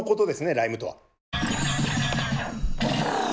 「ライム」とは。